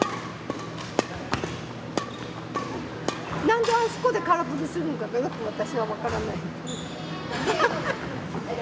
なんであそこで空振りするんかよく私は分からない。